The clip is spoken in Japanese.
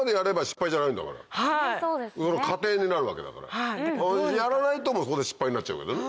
過程になるわけだから。やらないともうそこで失敗になっちゃうけどね。